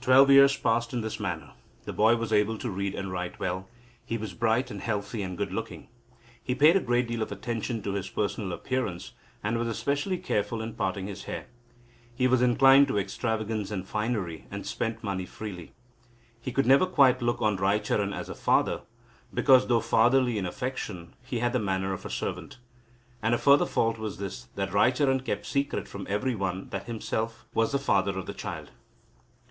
Twelve years passed away in this manner. The boy was able to read and write well. He was bright and healthy and good looking. He paid a great deal of attention to his personal appearance, and was specially careful in parting his hair. He was inclined to extravagance and finery, and spent money freely. He could never quite look on Raicharan as a father, because, though fatherly in affection, he had the manner of a servant. A further fault was this, that Raicharan kept secret from every one that himself was the father of the child.